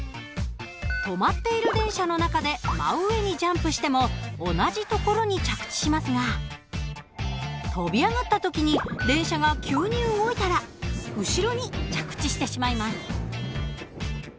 止まっている電車の中で真上にジャンプしても同じ所に着地しますが跳び上がった時に電車が急に動いたら後ろに着地してしまいます。